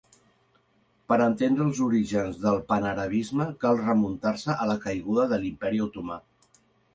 Per entendre els orígens del panarabisme, cal remuntar-se a la caiguda de l'imperi Otomà.